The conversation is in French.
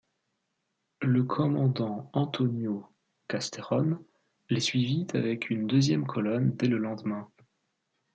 Le commandant Antonio Castejón les suivit avec une deuxième colonne dès le lendemain.